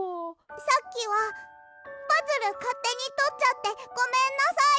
さっきはパズルかってにとっちゃってごめんなさい！